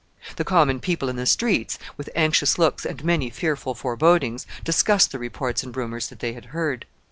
The common people in the streets, with anxious looks and many fearful forebodings, discussed the reports and rumors that they had heard.